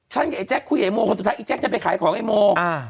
กับไอแจ๊คคุยกับไอโมคนสุดท้ายไอ้แจ๊คจะไปขายของไอ้โมอ่า